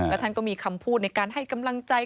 และท่านก็มีคำพูดในการให้กำลังใจ